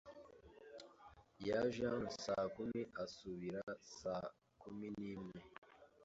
Yaje hano saa kumi asubira saa kumi n'imwe.